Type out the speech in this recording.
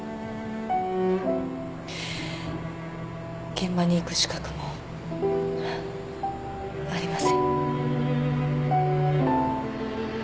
現場に行く資格もありません。